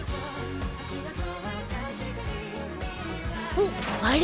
おっあれ！